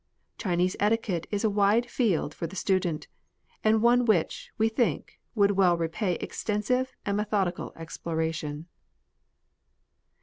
Chinese etiquette is a wide field for the student, and one which, we think, would well repay extensive and methodical exploration.